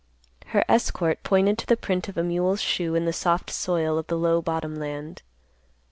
Her escort pointed to the print of a mule's shoe in the soft soil of the low bottom land.